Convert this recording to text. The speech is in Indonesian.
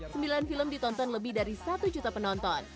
sembilan film ditonton lebih dari satu juta penonton